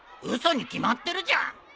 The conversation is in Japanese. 嘘に決まってるじゃん。